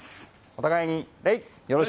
お互いに礼。